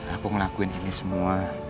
aku ngelakuin ini semua